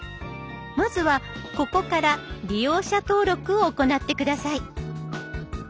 まずはここから利用者登録を行って下さい。